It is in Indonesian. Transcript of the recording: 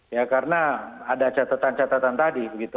ya karena ada catatan catatan tadi begitu